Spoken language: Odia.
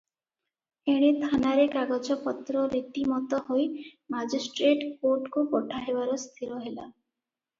ଏଣେ ଥାନାରେ କାଗଜପତ୍ର ରୀତିମତ ହୋଇ ମାଜିଷ୍ଟ୍ରେଟ୍ କୋଟ୍କୁ ପଠା ହେବାର ସ୍ଥିର ହେଲା ।